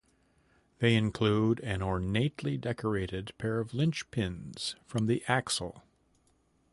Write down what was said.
They include an ornately decorated pair of linchpins from the axle.